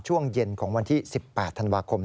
ช่วงเย็นของวันที่๑๘ธันวาคม